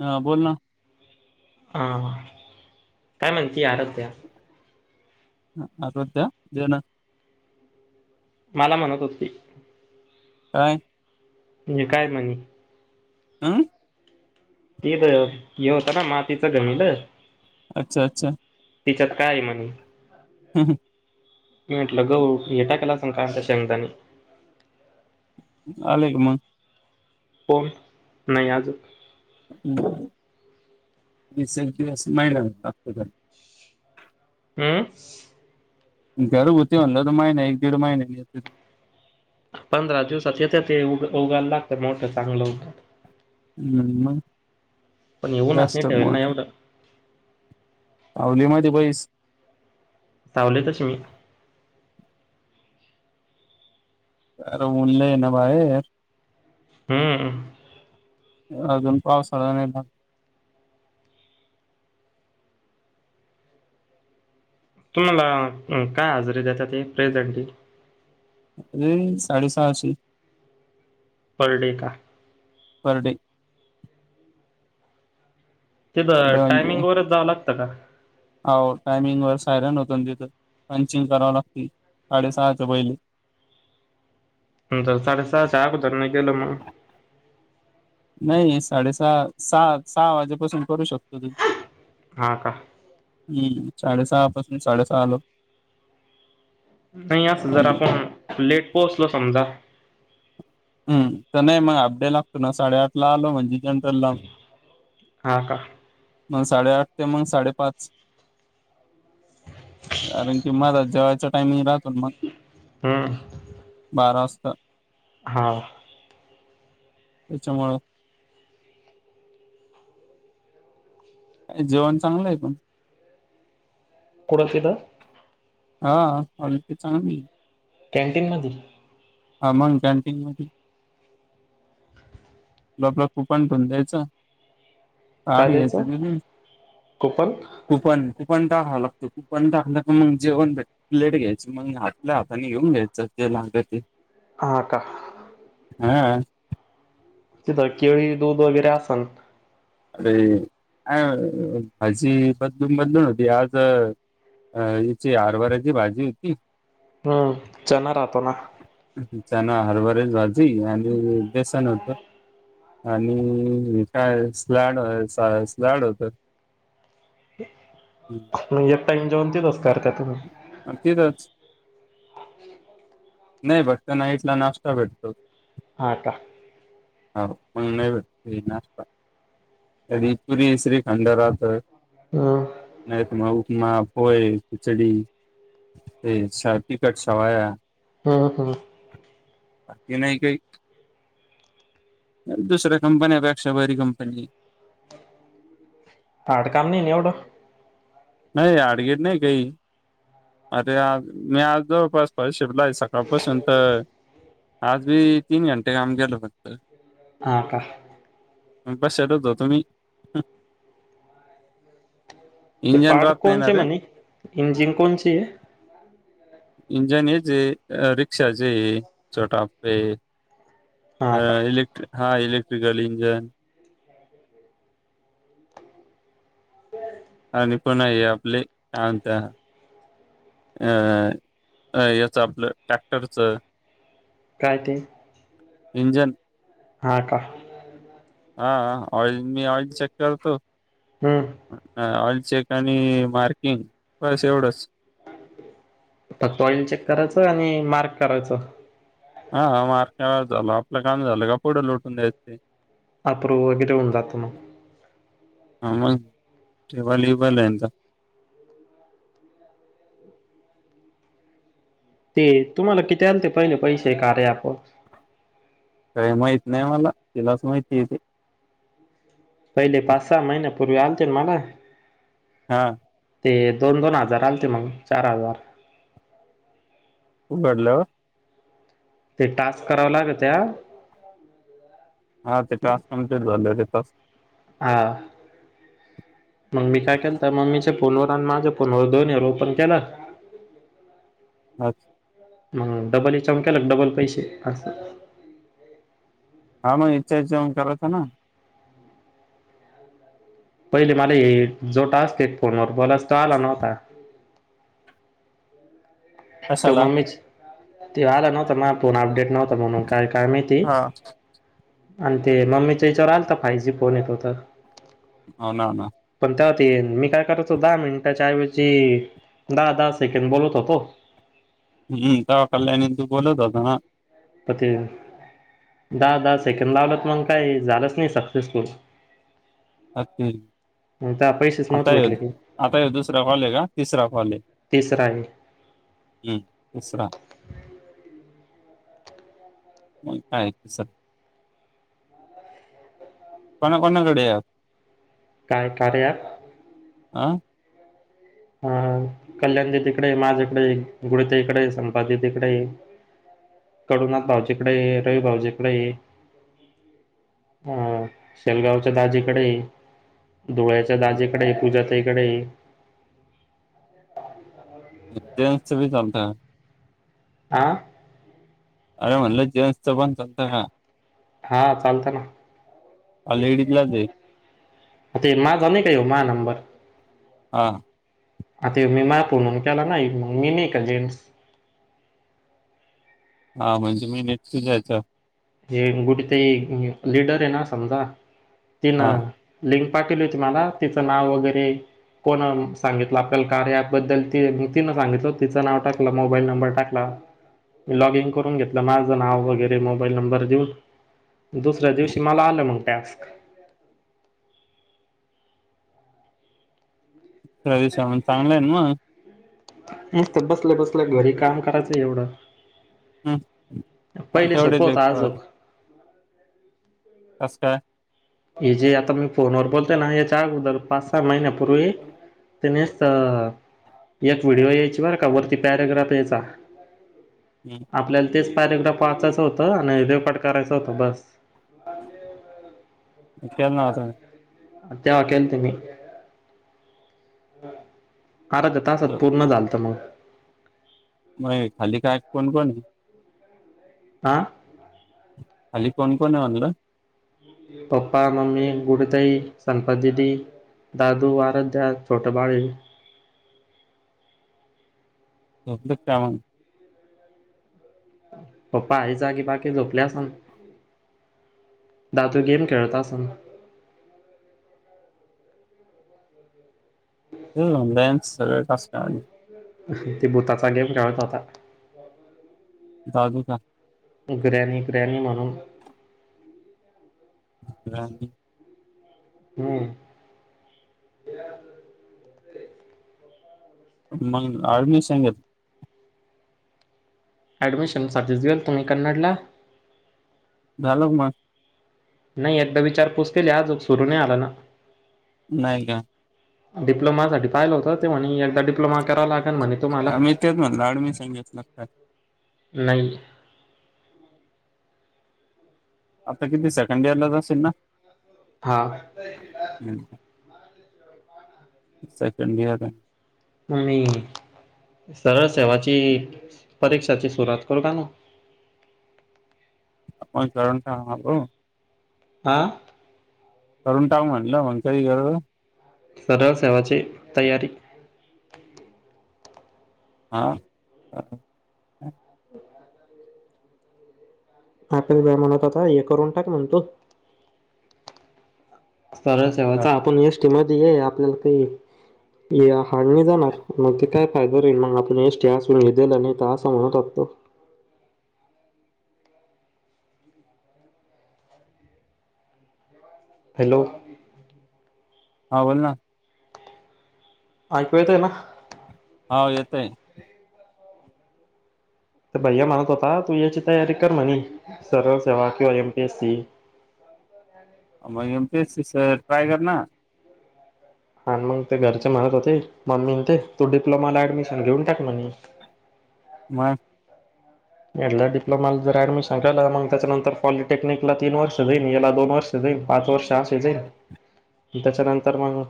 अह बोल ना हा काय म्हगती आरग त्या्या ह आध्या जन मला म्हणत होती काय म्हणजे काय म्हणे आं ते ब हे होतं ना मातीच गमील अच्छा अच्छा तिच्यात काय म्हणे हम् ह मी म्हटलं ग येटा कला स का शंगदाने अलेक मग पण नाहीयाज ्ंचु अस महिला ह घर होती म्हणलं तर महिने एक दीड महिने नाही पंधरा दिवसात येते ते उ उगायला लागत मोठं चांगलं उगा हम् पण येऊनच नाही ठेवल नाही एवढं पावलीमध्येध्ये पैस सावले तशी मी अर मुनलं आहे ना बाहेर हम्म. अजून पावसाळा नाही ना? तुम्हाला काय हजरी देतात ते प्रेझेंटीत? ए साडे सहाशे. पर डे का. Per day. पर तिथं डे टायमिंग वरच जावं लागतं का? हाव टायमिंग वर सायरन होतो ना तिथं पंचिंग कराव लागते साडेसहाच्या पहिले. नंतर साडेसहा सहा [unintelligible] केलंम. नाही साडेसहा सहा सहा वाजेपासून करू शकतो की. हा का? हम्म साडेसहा पासून साडेसहा लोक. नाही आता जरा आपण लेट पोहोचलो समजा हम कनि हाफ डे लागतो ना साडेआठला आलो म्हणजे. जनरल ला. हा का मग साडेआठ ते मग साडेपाच, कारण की मला जेवाच्या टामिंग राहात मग, हम्म बारा वास [unintelligible] हां. त्याच्यामूळ. जेवण चांगलं आहे पण. [unintelligible] हा अल्पी चांगली कॅन्टीन मध्ये. हा मंग कॅनटीन मधी. [unintelligible] आपल कुपन [unintelligible] ताट काय द्यायचं घ्यायचं, [unintelligible] कुपन कूपन. कुपन टाकावं लागतंय, कुपन टाकलं की मग जेवण भेटतं. प्लेट घ्यायची मग आपल्या हाताने घेऊन घ्यायचं जे लागत ते. हा का. हा. तिथं केळी दूध वगैरे असल. अरे अ, आ भाजी बदलून बदलून होती आज अ हिची हरभऱ्याची भाजी होती. हम्म चना राहतो ना. चना, हरभऱ्याची भाजी आणि बेसन होत, आणि काय [unintelligible] जाड होतं. म एकटा येऊन जेव [unintelligible] तिथंच नाही फक्त नाईटला नाश्ता भेटतो. आता. हा पण नाही भेटत नाश्ता, तरी पुरी श्रीखंड राहत. हम्म नाही त माव माप होय.. खिचडी ते स तिकट शेवाया. हम्म हम्म. बाकी नाही काही, दुसऱ्या कंपन्या पेक्षा बरी कंपनी. हार्ड काम नाही नि येवढ. नाही हार्ड गेड नाही काही. अरे मी अलतो फस्ट प शिपला आहे. सकाळपासून तर आज बी तीन घंटे काम गेलो फक्त. आ का. [unintelligible] ते इंजन पार्ट राहत नाही ना कोणचे, रे म्हणे इंजिन कोणचे. [inaudible] इंजन हेज हे रिक्षाचे.. छोटा अप्पे. हा अ का इलेक्ट्रिक हा इलेट्रि [unintelligible] इंजन आणि पण हे आपले, काय म्हणत्या अ अ याच आपलं टॅक्टरच. काय ते, इंजन. हा का. हा.. ऑइल मी ऑइल चेक करतो. हम. हा ऑइल चेक आणि मार्किंग बस एवढंच. फक्त ऑइल चेक कराच आणि मार्क कराचं. हा हा [unintelligible] आपल काम झालं का? पुढं लोटून द्यायचं ते. अप्रुव वगैरे होऊन जातं मग. ह मग टेबल बिबल ये त्यांचा. ते तुम्हाला किती आलते पहिले पैसे कार्या अँप वर? काय माहित नाही मला. तिलाच माहिती ये ते. पहिले पाच सहा महिने पूर्वी आलतेन मला. हा. ते दोन दोन हजार आलते, मग चार हजार. उघडल्यावर, ते टास्क करावं लागते आ. हा ते टास्क कमप्लीट झालेवर येत. [unintelligible] हा मग मी काय केलं तर मम्मीच्या फोनवर आणि माझं फोनवर दोनीवर ओपन केला. अच, म.. डबल याच्यावर केलं की डबल पैसे अस. हा मग हिच्या हेच्यावरून करायचं ना? पहिले मला हे जो टास्क हे फोनवर बोला तो आला नव्हता. तो कशाला मम्मीच. ते आला नव्हता. माझा फोन अपडेट नव्हता. म्हणून काय काय माहिती? हा आणि ते मम्मीच्या याच्यावर आलता फाइव्ह जी फोन ये तो तर. होन नाना.. तेव्हा ते मी काय करायचो? दहा मिनिटाच्या ऐवजी दहा दहा सेकंड बोलत होतो. हम्म तेव्हा कल्याणी शी बोलत होता ना? प ते दहा दहा सेकंड लावलंत मगं काही झालंच नाही सक्सेसफुल. असतील? मग त्या पैसेच नव्हते आताय भेटले की आताय दुसरा कॉल आहे का? तिसरा कॉल आहे? तिसरा आहे हम्म तिसरा. मगं काय तिसरा कोणा कोणाकडे यात? काय? कार्या अँप. ह अं कल्याण दिदीकडे, माझ्याकडे, गुड्डी ताईकडे, संपादीकडे, कडुनाथ भाऊजीकडे, रवि भाऊजीकडे, अं शेलगावच्या दाजीकडे. डोळ्याच्या दाजेकडे पूजा इकडे ये, [unintelligible] जेन्सच बी चालतय. आ, आरे म्हटल जेन्सपण चालतय हे हा चालतंय ना हा लेडीजलाच आहे ते माझा नाय काय ह्यो नंबर.? हा. आता ह्यो मी माया फोन वरुन केला नाही, मगं मी नाही का जेन्स. हा म्हणजे मी नेटची जायचं. [inaudible] तीन हा लिंक पाटवली होती मला, तिच नाव वगैरे कोण सांगितलं आपल्या कार्या ॲपबद्दल ति तीन सांगितल, तिच नाव टाकलं, मोबाईल नंबर टाकला. लॉगइन करून घेतलं माझ नाव वैगरे मगं. मोबाईल नंबर देऊन, दुसऱ्या दिवशी मला आलं मगं टॅस्क. थोड्या दिवसा चांगलं आहे ना मगं. मस्त बसल्या बसल्या घरी काम करायचंय एवढं. हा पहिले सोपं तेवढेच एक होता पाच आजोक, कसं काय? हे जे आता मी फोनवर बोलतो ना याच्या अगोदर पाच, सहा महिन्यापूर्वी त्यानेच एक व्हिडिओ यायची बरं का वरती पॅरग्राफ यायचा, हम्म आपल्याला तेच पॅरेग्राफ पा वाचायचा होतं आणि देवपाट करायचा होता बास. मी केला न्हवती मी. तेव्हा केलतो मी. आरद्या तासात तर पूर्ण झालत मगं. कोणकोणती? आ! अली कोण कोण आहे म्हणलं? पप्पा, मम्मी, गुडुताई, संपा दिदी, दादू, आराध्या, छोट बाळ. झोपलेत काय म? पप्पा, आई जागी बाकी झोपले असन. दादू गेम खेळत असन. हो ऑनलाईन सगळ कास्टवानी ते भूताचा गेम खेळत होता. जागू का? ग्रॅणी ग्रॅणी म्हणून ग्रॅनी हम्म. मग आर्मी सांगत. ऍडमिशन साठीच गेलतो मी कन्नडला. झाल का म? नाही एकदा विचारपूस केली आजूक सुरू नाही आला ना. नाही का? डिप्लोमा साठी पाहिलं होतं ते म्ह एकदा डिप्लोमा. करावा लागेल म्हणे तुम्हाला आम्ही तेच म्हणलाड म सांगितलं का. नाही. आता किती सेकंड इयर ला जाेल ना हा. हं. सेकंड घता. मगी सरळ सेवाची परीक्षाची सुरुवात करू का ना मण काररण का आल. [unintelligible] करुण टाग म्हणलं मग कारी गर सरळ सेवाची तयारी. हा. आपेस ब म्हणत आता हे करून टाक म्हण तू सरळ सेवाचा आपण य किम आपल्याला काही हा नाही जाणार मग ते काय फायदा राहील मग आपण एसीून लला नाही तर असं म्हणत असगतो. हॅलो. हा बोल ना. ऐकू येतय ना. होा येतय. ते भैया म्हणत होता तू याची तयारी कर म्हणे सरळ सेवा किंवा एम पीएस सी अ मगमते ट्रय कर ना. हा मग ते घरचे म्हणत होते मम्मी ते तू डिप्लोमाला ऍडमिशन घेऊन टाक म्ह. [unintelligible] डिप्लोमाला जर ऍडमिशन केलं मग त्याच्यानंतर पॉलिटेक्निकला तीन वर्ष जाईन याला दोन वर्ष जाईल पाच वर्ष असे जाईन त्याच्यानंतर मग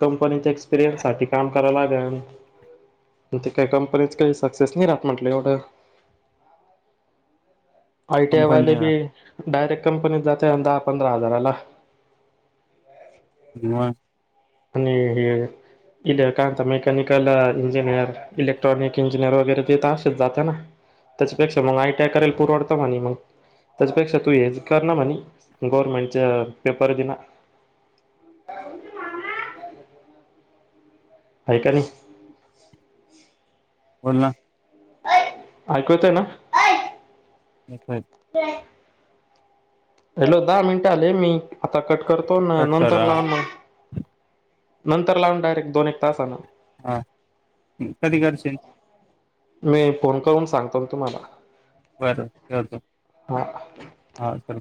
कंपनीच्या एक्सपिरियन्स सा काम करायला लागे ते काही कंपनीच काही सक्सेस नाही राहत म्हटलं एवढं. आय कंपनी टीवालेबी डायरेक्ट कंपनीत जाते दहा पंधरा हजाराला. [inaudible] आणि हे इ कायत मेकॅनिकल इंजिनियर इलेक्ट्रॉनिक इंजिनियर वगैरे देत असेच जाते ना त्याच्यापेक्षा मग आयटी आय करायला पुरवडत म्हणे म त्याच्यापेक्षा तू हे कर ना म्ह गवर्मेंट पेपर दिना. हा काणी बोल ना. ऐकवतय ना. [inaudible] हॅलो दहा मिनट आले मी आता कट करतो ना कट नंतर करा लाव मग. नंतर लावू डायरेक्ट दोन एक तासा न. हा कधी करचिल.? मी फोन करून सांगतो तुम्हाला. बरं ठेवतो. हां हा चल.